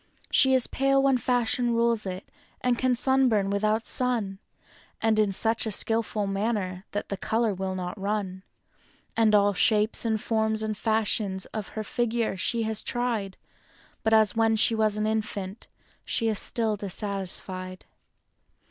She is pale when fashion rules it, sunburn without sun. And in such a skillful manner that the color will not run; And all shapes and forms and fashions of her figure she has tried, But as when she was an infant, she is still dissatisfied.